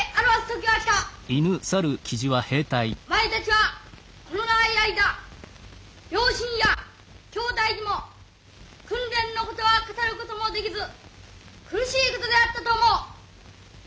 お前たちはこの長い間両親や兄弟とも訓練のことは語ることもできず苦しいことであったと思う。